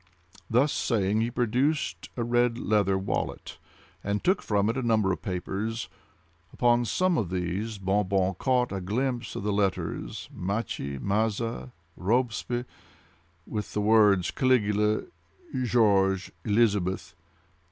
Thus saying, he produced a red leather wallet, and took from it a number of papers. Upon some of these Bon Bon caught a glimpse of the letters Machi—Maza—Robesp—with the words Caligula, George, Elizabeth.